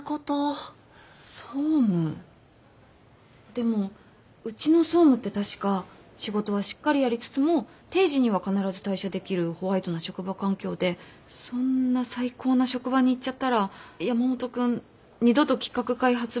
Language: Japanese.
でもうちの総務って確か仕事はしっかりやりつつも定時には必ず退社できるホワイトな職場環境でそんな最高な職場に行っちゃったら山本君二度と企画開発部に行けなくなるんじゃ。